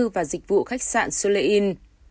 và dịch vụ khách sạn sulein